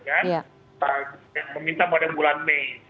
dan pemerintah pada bulan mei